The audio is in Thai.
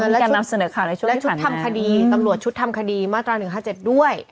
และชุดทำคดีตำรวจชุดทำคดีมาตรา๑๕๗ด้วย